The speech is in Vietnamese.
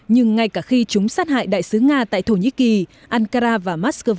nhưng ngay cả khi chúng sát hại đại sứ nga tại thổ nhĩ kỳ ankara và moscow